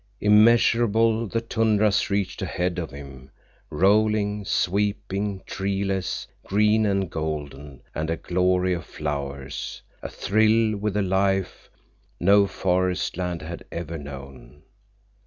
Immeasurable the tundras reached ahead of him—rolling, sweeping, treeless, green and golden and a glory of flowers, athrill with a life no forest land had ever known.